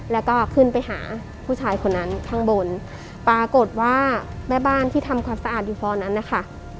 แล้วก็ขึ้นไปหาผู้ชายคนนั้นข้างบนปรากฏว่าแม่บ้านที่ทำความสะอาดอยู่พอนั้นนะคะ